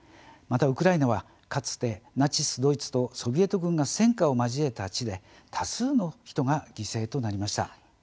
また、ウクライナは、かつてナチス・ドイツとソビエト軍が戦火を交えた地で多数の人が犠牲となりました。